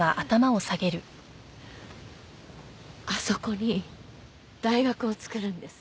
あそこに大学を作るんです。